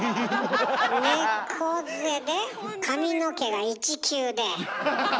猫背で髪の毛が一九で。